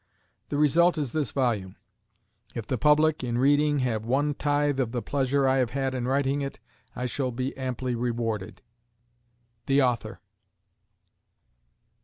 The result is this volume. If the public, in reading, have one tithe of the pleasure I have had in writing it, I shall be amply rewarded. THE AUTHOR.